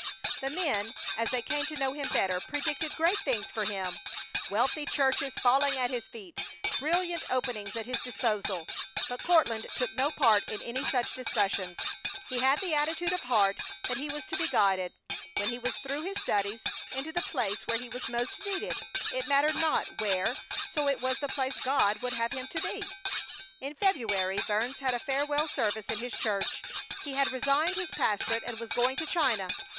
The men, as they came to know him better, predicted great things for him: wealthy churches falling at his feet, brilliant openings at his disposal; but Courtland took no part in any such discussions. He had the attitude of heart that he was to be guided, when he was through his studies, into the place where he was most needed; it mattered not where so it was the place God would have him to be. In February Burns had a farewell service in his church. He had resigned his pastorate and was going to China.